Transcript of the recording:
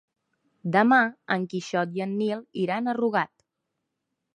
Demà en Quixot i en Nil iran a Rugat.